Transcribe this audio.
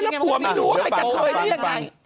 ก็ใช่แล้วผมรู้แม่กะเทยน่าจะยังไง